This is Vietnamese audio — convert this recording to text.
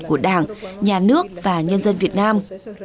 của đảng nhà nước và nhân dân việt nam